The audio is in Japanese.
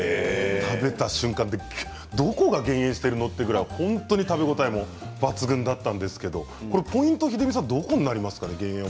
食べた瞬間どこが減塩しているの？というぐらい本当に食べ応えも抜群だったんですけどポイント、どこになりますか。